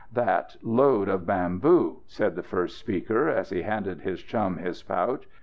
"That load of bamboo!" said the first speaker, as he handed his chum his pouch.